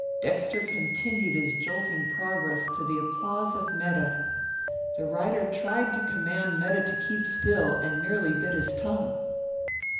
Dexter continued his jolting progress to the applause of Metta. The rider tried to command Metta to keep still, and merely bit his tongue.